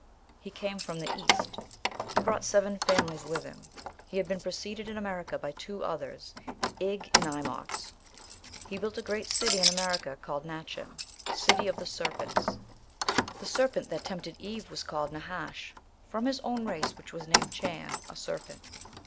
"He came from the East." He brought seven families with him. He had been preceded in America by two others, Igh and Imox. He built a great city in America called "Nachan," City of the Serpents (the serpent that tempted Eve was Nahash), from his own race, which was named Chan, a serpent.